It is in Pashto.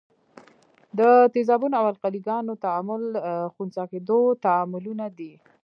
د تیزابونو او القلي ګانو تعامل خنثي کیدو تعاملونه دي.